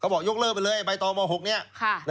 บอกยกเลิกไปเลยใบตองม๖เนี่ย